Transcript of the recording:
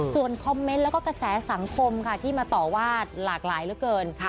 ส่วนคอมเมนต์แล้วก็กระแสสังคมค่ะที่มาต่อว่าหลากหลายเหลือเกิน